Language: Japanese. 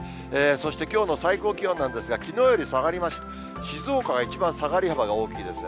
そしてきょうの最高気温なんですが、きのうより下がりまして、静岡が一番下がり幅が大きいですね。